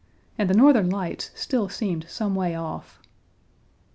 And the Northern Lights still seemed some way off.